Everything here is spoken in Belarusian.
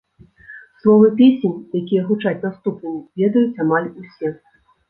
Словы песень, якія гучаць наступнымі, ведаюць амаль усе.